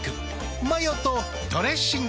マヨとドレッシングで。